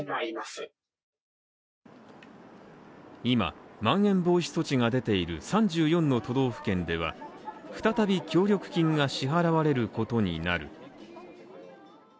今、まん延防止措置が出ている３４の都道府県では再び協力金が支払われることになる。